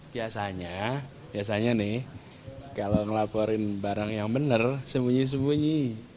biasanya biasanya nih kalau ngelaporin barang yang benar sembunyi sembunyi